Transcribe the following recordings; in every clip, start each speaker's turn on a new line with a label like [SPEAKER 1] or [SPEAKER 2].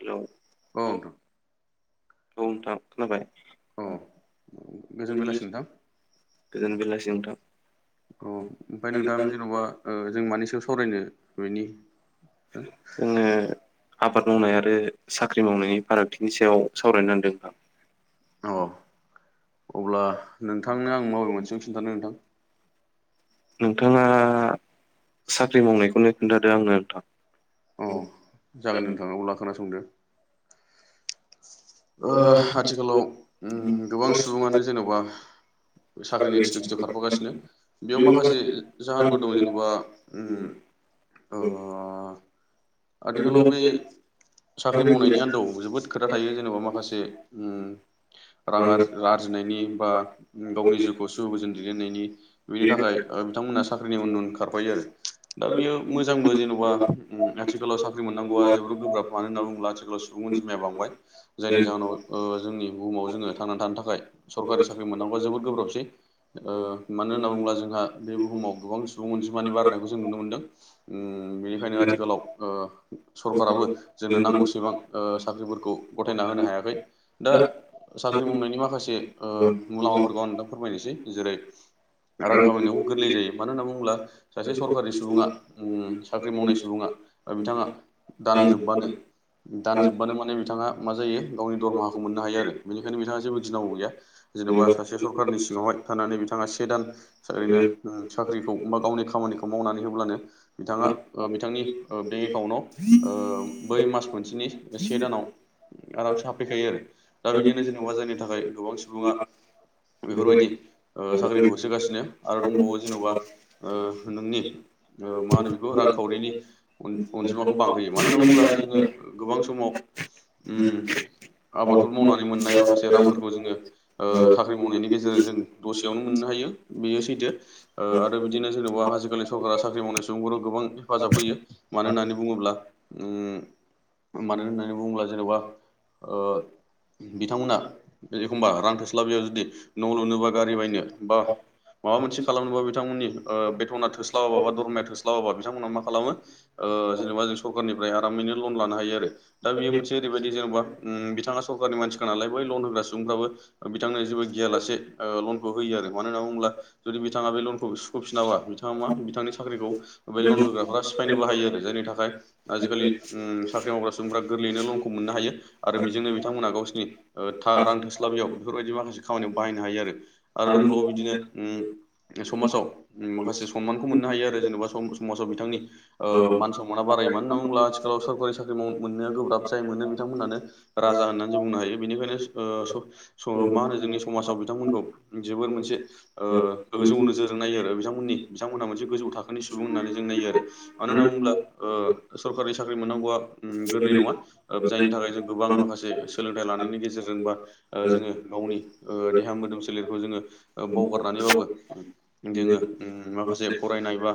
[SPEAKER 1] Hello
[SPEAKER 2] औ नोंथां
[SPEAKER 1] औ नोंथां खोनाबाय
[SPEAKER 2] औ
[SPEAKER 1] [unintelligible]
[SPEAKER 2] गोजोन बेलासि नोंथां
[SPEAKER 1] गोजोन बेलासि नोंथां
[SPEAKER 2] औ ओमफ्राय नोंथां जेन'बा जों मानि सायाव सावरायनो बेनि
[SPEAKER 1] जोङो आबाद मावनाय आरो साख्रि मावनायनि फारागथिनि सायाव सावरायनो नदों नोंथां।
[SPEAKER 2] औ अब्ला नोंथांनो आं बबे मोनसेखौ खिन्थादों नोंथां?
[SPEAKER 1] नोंथाङा साख्रि मावनायखौनो खोन्थादो आंनो नोंथां
[SPEAKER 2] अह जागोन नोंथां अब्ला खोनासंदो। ओ आथिखालाव उम गोबां सुबुङानो जेनबा साख्रिनि खिथु खिथु खारफागासिनो बेयाव माखासे जाहोनफोर दं जेनेबा उम ओ
[SPEAKER 1] औ
[SPEAKER 2] आथिखालाव बे साख्रि मावनायनि आन्दोआव जोबोद खोथा थायो जेरै अ माखासे उम। रां आरि आर्जिनायनि बा गावनि जिउखौ सु गोजोन दैदेननायनि बिनि थाखाय बिथांमोना साख्रिनि उनन खारफायो आरो दा बेयो मोजांबो जेन'बा आथिखालाव साख्रि मोननांगौ। जोबोर गोब्राब मानो होननानै बुङोब्ला आथिखालाव सुबुं अनजमाया बांबाय जायनि जाहाव जोंनि बुहुमाव जोङो थांनानै थानो थाखाय सरकारि साख्रि मोननांगौआ जोबोद गोब्राबसै। ओ मानो होनना बुङोब्ला जोंहा बे बुहुमाव गोबां सुबुं अनजिमानि बारनायखौ जों नुनो मोनदों। बेनिखायनो आथिखालाव सरखाराराबो जोंनो नांगौसेबां साख्रिफोरखौ गथायना होनो हायाखै दा साख्रि मावनायनि माखासे ओ मुलामफाफोरखौ आं नोंथां फोरमायनोसै जेरै रां खामायनायावबो गोरलै जायो मानो होनना बुङोब्ला सासे सरकारि सुबुङा। साख्रि मावनाय सुबुङा बिथाङा दानजोबबानो दानजोबबानो माने बिथाङा। मा जायो गावनि दरमाहाखौ मोननो हायो आरो बेनिखायनो बिथाङा जेबो गिनांगौ गैया जेनेबा सासे सरखारनि सिङावहाय थानानै बिथाङा से दान ओरैनो साख्रिखौ बा गावनि खामानिखौ मावनानै होब्लानो बिथाङा। बिथाङा बिथांनि बेंक एकाउन्टाव बै मास मोनसेनि से दानाव। आरामसे हाबफैखायो आरो दा बिदिनो जेनेबा जायनि थाखाय गोबां सुबुङा। बेफोरबायदि साख्रिखौ होसोगासिनो आरो दंबावो जेन'बा नोंनि। मा होनो बेखौ रांखावरिनि अनजिमाखौ बांहोयो मानो होनना बुङोब्ला जोङो गोबां समाव।
[SPEAKER 1] [inaudible]
[SPEAKER 2] आबादफोर मावनानै मोननाय माखासे रांफोरखौ जोङो साख्रि मावनायनि गेजेरजों। दसेयावनो मोननो हायो बेयो सैथो आरो बिदिनो जेनेबा आजिखालि सरकारा साख्रि मावनाय सुबुं। गोबां हेफाब होयो मानो होननानै बुङोब्ला मानो होनानै बुङोब्ला। जेनेबा ओ। बिथांमोना एखमबा रां थोस्लाबयाव जुदि न' लुनोबा गारि बायनो बा। माबा मोनसे खालामनोबा बिथांमोननि बेथ'ना थोस्लाबाबा बा दरमाया थोस्लाबाबा बिथांमोनहा मा खालामो। जेनेबा जों सरखारारनिफ्राय आरामैनो लन लानो हायो आरो दा बेयो मोनसे ओरैबायदि जेन'बा बिथाङा सरारनि मानसिखा नालाय बै लन होग्रा सुबुंफ्राबो बिथांनो जेबो गियालासे। लनखौ होयो आरो मानो होनना बुङोब्ला जुदि बिथाङा बे लनखौ सुख'फिनाबा बिथाङा मा बिथांनि साख्रिखौ। बे लन होग्राफ सिफायनो बाहायो आरो जायनि थाखाय आजिखालि साख्रि मावग्रा सुबुंफफोरा गोरलैनो लन खौ मोननो हायो आरो बेजोंनो बिथांमोनहा गावसोरनि रां थोस्लाबियाव बेफोरबायदि माखासे खामानियाव बाहायनो हायो आरो। आरो दंब्लाबो' बिदिनो उम। समाजाव माखासे सनमानखौ मोननो हायो आरो जेनेबा समाजाव बिथांनि मान सनाबा फराय मानो होनना बुंङोब्ला आथिखालाव सरकारि साख्रि माव मोननो गोब्राब। थ मोनो बिथांमोनानो राजा होननानै बुंनो हायो बेनिखायनो मा होनो जोंनि समाजाव बिथां। बिथांमोनखौ जोबोर मोनसे गोजौ नोजोर नायो आरो बिथांमोननि बिथांमोनहा मोनसे गोजौ थाखोनि सुबुं होननानै जों नायो आरो मानो होनना बुङोब्ला सरकारि साख्रि मोननांगौआ गोरलै नङा जायनि थाखाय जों गोबां माखासे सोलोंथाइ लानायनि गेजेरजों बा जोङो गावनि देहा। मोदोम सोलेरखौ जोङो बावगारनानैबाबो जोङो माखासे फरायनाय बा।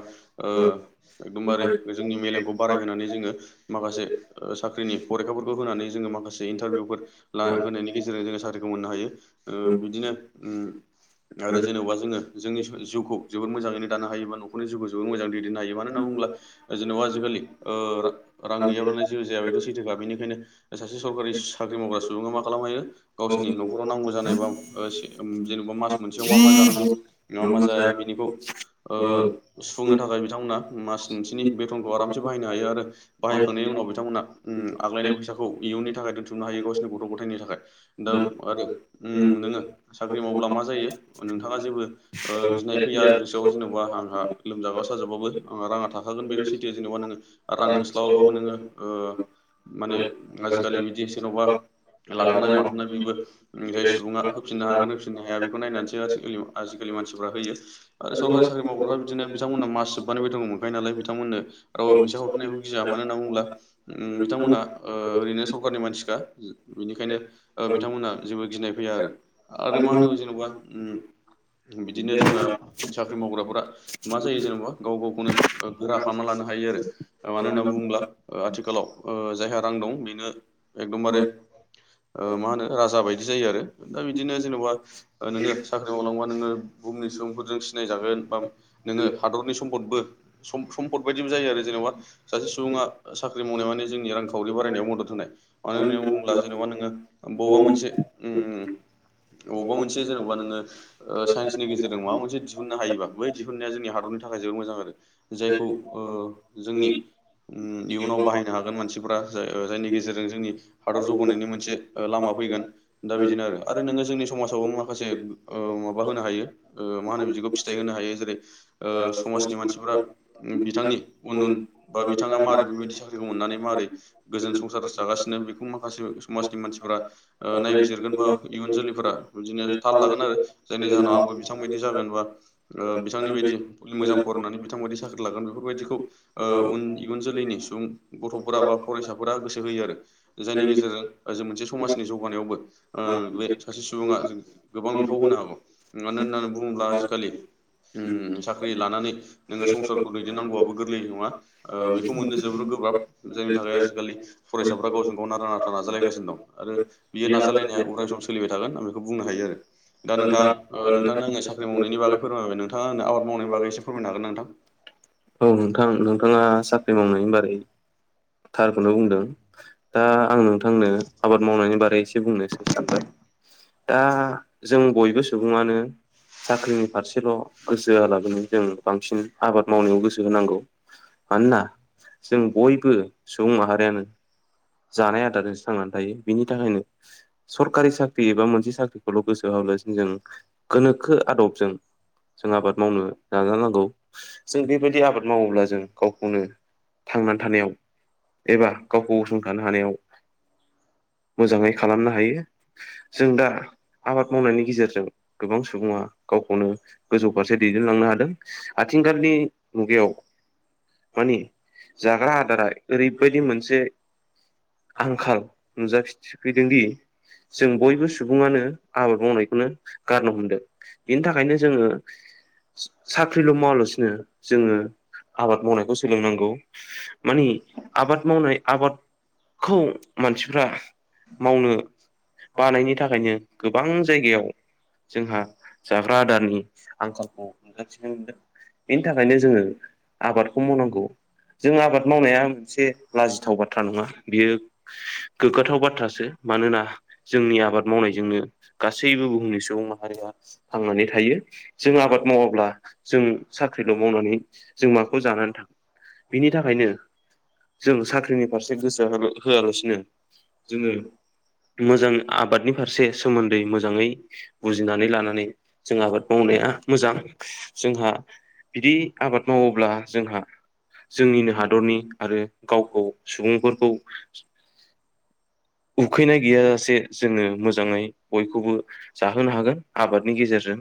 [SPEAKER 2] एकदमबारे जोंनि मेलेमखौ बारायहोनानै जोङो माखासे साख्रिनि। फरखाफोरखौ होनानै जोङो माखासे इन्टारभिउफोर होनायनि गेजेरजों जोङो साख्रिखौ मोननो हायो बिदिनो। उम। आरो जेन'बा जोङो जोंनि जिउखौ जोबबो मोजाङैनोानो हायोबा नखरनि जिखौ जोबो मोजाङ दैदेन हायो म होन बुङो। जबा आजिखालि ओ रां गैयाबानो जाया। थसैथोखा बेनिखायनो सासे सरकारि साख्रि मावग्रा सुबुङा मा खालामनो हायो गावसिनि न'खराव नांगौ जानायबा। जेनेबा मास मोनसेयाव मा मा जानांगौ मा मा जाया बिनिखौ। सुफुंनो थाखाय बिथांमोना मास मोनसेनि बेथनखौ आरामसे बाहायनो हायो आरो बाहायखांनायनि। जोंनाव बिथांमोना। आग्लायनाय फैसाखौ इयुननि थाखाय दोनथुमनो हायो गावसिोरनि गथ' गथायनि थाखाय दा आरो। दोङो साख्रि मावब्ला मा जायो नोंथाङा जेबो गिनाय फैया आरो गोसोआव जेनेबा आंहा। लोमजाबा साजाबाबो आंहा राङा थाखागोन बेथ' सैथि जेन'बा नोङो रां थोस्लाबाबो नोङो। माने आजिखालि बिदि जेन'बा। लाथ'नाय माथ'नाय बेबो जाय सुबुङा होफिननो हागोन नोंफिननो हाया बेखौ नायनानैसैखा आजिखालि मानसिफा होयो आरो सरकारि साख्रि मावग्रारा बिदिनो बिथांमोना मास जोबनानैबो दङ मोनखाय नालाय बिथांमोन फैसा हरनायखौ गिया मानो होनना बुब्ला बिथांमोना ओ ओरैनो सरखारारनि मानसिखा बिनिखायनो बिथांमोना जेबो गिनाय फै या आरो आरो मा होनो जेनेबा बिदिनो जोंहा साख्रि मावग्राफोरा मा जायो जेनेबा गाव गावखौनो गोरा खालामना लानो हायो आरो मानो होननानै बुङोब्ला आथि खालाव जायहा रां दं बेनो एखदमबारे ओ मा होनो राजा बायदि जायो आरो दा बिदिनो जेन'बा नोङो साख्रि मावलांबा नोङो बुहुमनि सुबुंफोरजों सिनायजागोन बा नोङो हादरनि सम्फदबो सम्पद बायदिबो जायो आरो जेनेबा सासे सुबुङा सा ख्रि मावनाय माने जोंनि रांखावरि बारायनायाव मदद होनाय मानो होननानै बुङोब्ला जेनेबा नोङो बबावबा मोनसे
[SPEAKER 1] [unintelligible]
[SPEAKER 2] अबावबा मोनसे जेनेबा नोङो साइन्सनि गेजेरजों माबा मोनसे दिहुननो हायोबा बै दिहुनाया जोंनि हादथ थाखाय जोबो मोजां आरो जायखौ ओ जोंनि इयुनाव बाहायनो हागोन मानसिफोरा जाय-जायनि गेजेरजों जोंनि हादराव जौगानायनि मोनसे लामा फैगोन दा दिनो आरो नोङो जोंनि समाजाव माखासे ओ माबा होनो हायो‌ ओ मा होनो बिदिखौ फिथाय होनो हायो। ओ समाजनि मानसिफोरा बिथांनि उन उन बा बिथाङा मारै बेबायदि मोननानै माबोरै गोजोन संसार जागासिनो बेखौ माखासे समाजनि मानसिफोरा ओ नायबिजिरगोन बाब इयुन जोलैफोरा बिदिनो थाल लागोन आरो जायनि जाहोनाव आंबो बिथांबायायदि जागोन बा ओ बिथांनि बायदि मोजां फरायनानै बिथांबायदि साख्रि लागोन बेफोरबायदिखौ उन इयुन जोलैनि सुबुं गथ'फोरा बा फरायसाफोरा गोसो होयो आरो जायनि गेजेरजों ओ जों मोनसे समाजनि जौगानायावबो आं बे सासे सुबुङा गोबां बिफाव होनो हागौ मानो होननानै बुङोब्ला आजिखालि उम साख्रि लानानै नोङो संसारखौ दैदेननांगौआबो गोरलै नङा आ बेखौ मोननो जोबोर गोब्राब जायनि थाखाय आजिखालि फरायसाफ्रा गावजों गाव नारा नाथा नाजालायगासिनो दं आरो बियो नाजालायनाया उद सम सोलिबाय थागोन आं बेखौ बुंनो हायो आरो नोंथां आ नोंथा आङो साख्रि मावनायनि बागै फोरमायबाय नोंथाङा आंनो आबाद मावनायनि बागै एसे फोरमायनो हागोन नोंथां
[SPEAKER 1] औ नोंथां नोंथाङा साख्रि मावनायनि बारै थारखौनो बुंदों दा आं नोंथांनो आबाद मावनायनि बारै एसे बुंनोसै सानबाय दा जों बयबो सुबुङानो साख्रिनि फारसेल' गोसोहोयालाबोंनो जों बांसिन आबाद मावनायाव गोसो होनांगौ मानोना जों बयबो सुबुं माहारियानो जानाय आदारजोंसो थांनानै थायो‌। बिनि थाखायनो सरखारि साख्रि एबा मोनसे साख्रिखौल' गोसो हाब्लासि जों गोनोखो आदबजों जों आबाद मावनो नाजानांगौ जों बेबायदि आबाद मावोब्ला जों गावखौनो थांनानै थानायाव एबा गावखौ गसंथानो हानायाव मोजाङै खालामनो हायो जों दा आबाद मावनायनि गेजेरजों गोबां सुबुङा गावखौनो गोजौ फारसे दैदेनलांनो हादों आथिंगालनि मुगायाव मानि जाग्रा आदारा ओरैबायदि मोनसे आंखाल नुजाफिफैदों दि जों बयबो सुबुङानो आबाद मावनायखौनो गारनो हमदों बिनि थाखायनो जोङो साख्रिल' मावालासिनो जोङो आबाद मावनायखौ सोलोंनांगौ मानि आबाद मावनाय आबादखौ मानसि फ्रा मावनो बानायनि थाखायनो गोबां जायगायाव जोंहा जाग्रा आदारनि आंखालखौ नुजाथिनो मोनदों बेनि थाखायनो जोङो आबादखौ मावनांगौ जों आबाद मावनाया मोनसे लाजिथाव बाथ्रा नङा बेयो गोग्गाथाव बाथ्रासो मानोना जोंनि आबाद मावनायजोंनो गासैबो बुहुमनि सुबुं माहारिया थांनानै थायो जों आबाद मावाब्ला जों साख्रिल' मावनानै जों माखौ जानानै थां बिनि थाखायनो जों साख्रिनि फारसे गोसो होआलासिनो जोङो मोजां आबादनि फारसे सोमोन्दै मोजाङै बुजिनानै लानानै जों आबाद माव मावनाया मोजां जोंहा बिदि आबाद मावोब्ला जोंहा जोंनिनो हादरनि आरो गावखौ सुबुंफोरखौ औ उखैनाय गैयााजसे जोङो मोजाङै बयखौबो जाहोनो हागोन आबादनि गेजेरजों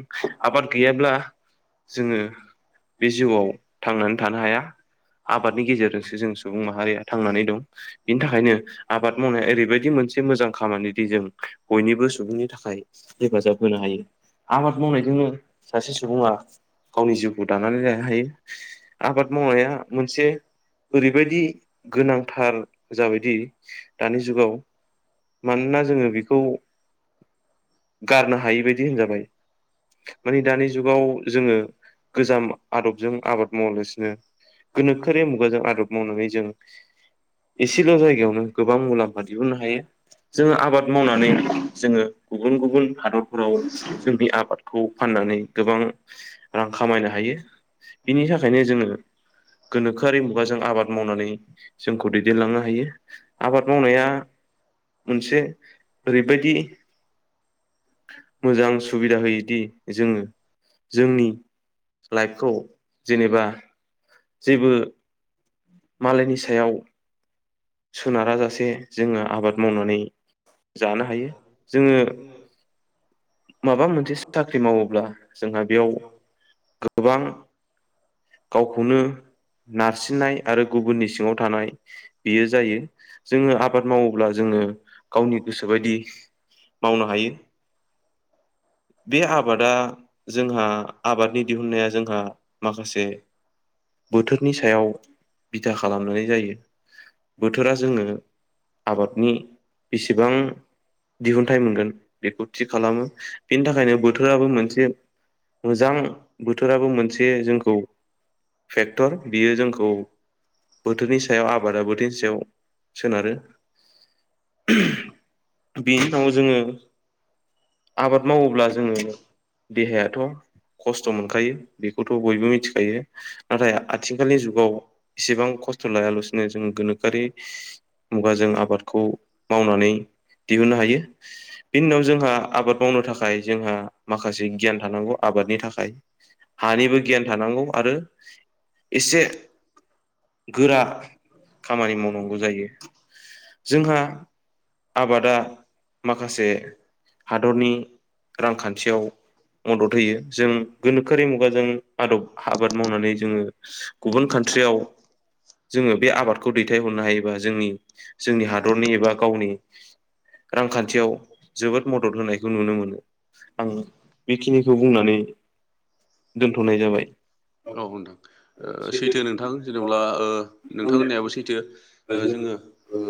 [SPEAKER 1] आबाद गैयाब्ला जोङो बे जिउआव थांनानै थानो हाया। आबादनि गेजेरजोंसो जों सुबुं माहारिया थांनानै दं बिनि थाखायनो आबाद मावनाया ओरैबा बेबायदि मोनसे मोजां खामानि दि जों बयनिबो सुबुंनि थाखाय हेफाजाब होनो हायो। आबाद मावनायजोंनो सासे सुबुङा गावनि जिउखौ दानानै लानो हायो आबाद मावनाया मोनसे ओरैबायदि गोनांथार जाबायदि दानि जुगाव मानोना जोङो बेखौ गारनो हायि बायदि होनजाबाय। मानि दानि जुगाव जोङो गोजाम आदबजों आबाद मावालासिनो गोनोखोरि मुगाजों आदब मावनानै जों एसेल जायगायावनो गोबां मुलाम्फा दिहुननो हायो। जोङो आबाद मावनानै जोङो गुबुन गुबुन हादरफोराव जों बे आबादखौ फानो। नानै गोबां रां खामायनो हायो बिनि थाखायनो जोङो गोनोखोआरि मुगाजों आबाद मावनानै जोंखौ दैदेनलांनो हायो। आबाद मावनाया मोनसे ओरैबायदि मोजां सुबिदा होयोदि जोङो जोंनि लाइफखौ जेनेबा जेबो मालायनि सायाव सोनारा जासे जोङो आबाद मावनानै जानो हायो जोङो। माबा मोनसे साख्रि मावोब्ला जोंहा बेयाव गोबां गावखौनो नारसिननाय आरो गुबुननि सिङाव थानाय बेयो जायो जोङो आबाद मावोब्ला जोङो [unintelligible] गावनि गोसोबायदि मावनो हायो। बे आबादा जोंहा आबादनि दिहुुननाया जोंहा माखासे बोथोरनि सायाव बिथा खालामनानै जायो। बोथोरा जोंनो आबादनि बेसेबां दिहुनथाइ मोनगोन बेखौ थि खालामो बेनि थाखायनो बोथोराबो मोनसे मोजां बोथोराबो मोनसे जोंखौ फेक्टर बियो जोंखौ बोथोरनि सायाव आबादा बोथोरनि सायाव सोनारो बेनि उनाव जोङो
[SPEAKER 2] [unintelligible]
[SPEAKER 1] आबाद मावोब्ला जोङो देहायाथ खस्थ मोनखायो बेखौथ बयबो मिथिखायो नाथाय आथिखालनि जुगाव एसेबां खस्थ लायालासिनो जों गोनोखोआरि मुगाजों आबादखौ मावनानै दिहुननो हायो बिनि उनाव जोंहा आबाद मावनो थाखाय जोंहा माखासे गियान थानांगौ आबादनि थाखाय हानिबो गियान थानांगौ आरो एसे गोरा खामानि मावनांगौ जायो। जोंहा आबादा माखासे हादरनि रांखान्थियाव मदद होयो जों गोनोखोआरि मुगाजों आदब आबाद मावनानै जोङो गुबुन कान्ट्रियाव। जोङो बे आबादखौ दैथायहरनो हायोबा जोंनि जोंनि हादरनि एबा गावनि रांखान्थियाव
[SPEAKER 2] [unintelligible]
[SPEAKER 1] जोबोद मदद होनायखौ नुनो मोनो आं बेखिनिखौ बुंनानै दोनथनाय जाबाय
[SPEAKER 2] औ नोंथां ओ सैथो नोंथां जेनब्ला नोंथां होननायाबो सैथो जों ओ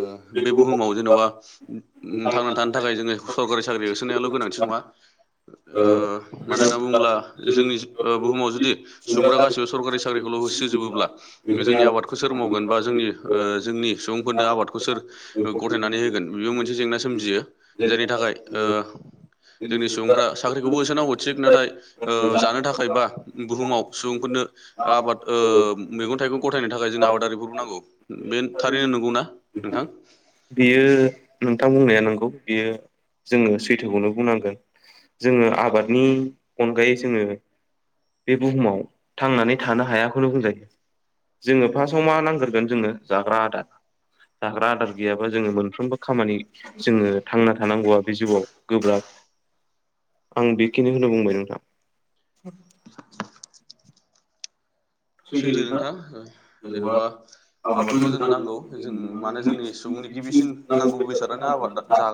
[SPEAKER 2] बे बुहुमाव जेनबा थांना थानो थाखाय जोंङो सरकारि साख्रि होसोनायाल गोनांथि नङा मानो होनना बुंङोब्ला जोंनि ओ बुहुमाव जुदि सुबुंफोरा गासिबो सरकारि साख्रिखौल होसोजोबोब्ला जोंनि आबादखौ सोर मावगोन बा जोंनि ओ जोंनि सुबुंफोरनो आबादखौ सोर गथायनानै होगोन बेयाव मोनसे जेंनायो जेरै नि थाखाय ओह
[SPEAKER 1] [unintelligible]
[SPEAKER 2] साख्रिखौबो ससोनाव थिक नाथाय ओ जानो थाखाय खायबा बुहुमाव सुबुंफोरनो आबाद ओ मैगं थाइगं गथायनो थाखाय जोंनो आबादारिफोर नांगौ। बे थारैनो नंगौना नोंथां?
[SPEAKER 1] बियो नोंथां बुंनाया बियो जोंङो सैथोखौनो बुंनांगोन। जोंङो आबादनि अनगायै जोंङो बे बुहुमाव थांनानै थानो हायाखौनो बुंजायो। जोंङो फार्स्टआव मा नांग्रोगोन जोंनो जाग्रा आदार। जाग्रा आदार गैयाबा जोंङो मोनफ्रोमबो खामानि जोंङो थांना थानांगौआ बे जिउआव गोब्राब। आं बेखिनिखौनो बुंबाय नोंथां।
[SPEAKER 2] सैथो नोंथां जेनबा आबादखौ जोंनो नांगौ जों माने जोंनि सुबुं गिबिसिन नांगौ बेसादानो आबाद जागो